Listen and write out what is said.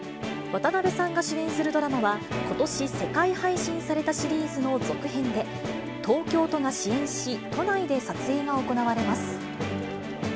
渡辺さんが主演するドラマは、ことし、世界配信されたシリーズの続編で、東京都が支援し、都内で撮影が行われます。